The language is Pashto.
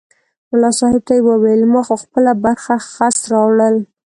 ملا صاحب ته یې وویل ما خو خپله برخه خس راوړل.